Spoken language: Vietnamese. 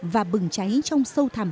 và bừng cháy trong sâu thẳm